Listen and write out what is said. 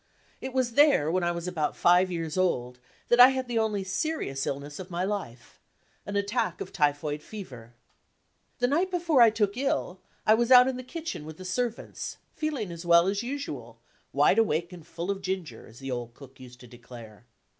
It was there, when I was about five years old, that I had the oniy serious illness of my life an attack of typhoid fever. The night before I took ill I was out in the kitchen with the servants, feeling as well as usual, "wide awake and full of ginger," as the old cook used to declare.